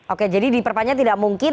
oke jadi diperpanjang tidak mungkin